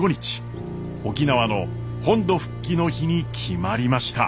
沖縄の本土復帰の日に決まりました。